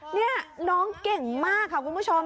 นี่น้องเก่งมากค่ะคุณผู้ชม